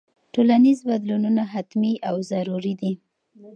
ټولنیز بدلونونه حتمي او ضروري دي.